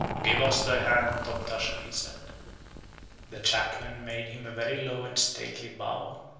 "Give us thy hand, Tom Tusher," he said. The chaplain made him a very low and stately bow.